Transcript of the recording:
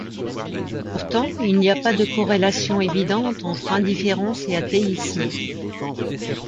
Pourtant, il n'y a pas de corrélation évidente entre indifférence et athéisme.